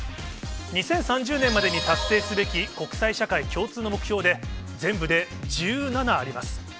２０３０年までに達成すべき国際社会共通の目標で、全部で１７あります。